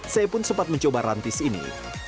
saya pun sempat mencoba rantis ini